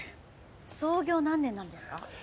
創業何年なんですか？